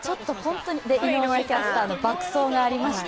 井上キャスターの爆走がありまして。